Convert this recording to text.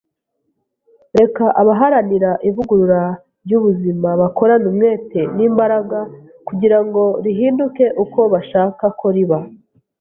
Reka abaharanira ivugurura ry’ubuzima bakorane umwete n’imbaraga kugira ngo rihinduke uko bashaka ko riba